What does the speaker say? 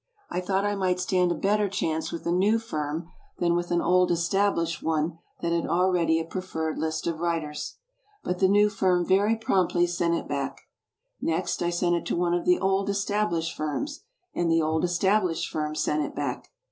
I thought I might stand a better chance with a new firm than with an old established one that had already a preferred list of writers. But the new firm very prompdy sent it back. Next I sent it to one of the "old, established firms," and the old established firm sent it back.